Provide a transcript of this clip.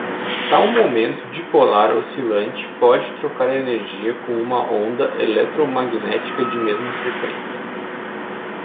Tal momento dipolar oscilante pode trocar energia com uma onda eletromagnética de mesma freqüência.